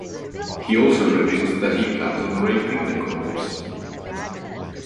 He also reveals that he plans on raping the corpse.